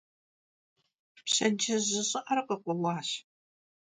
Пщэдджыжь жьы щӀыӀэр къыкъуэуащ.